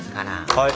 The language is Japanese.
はい。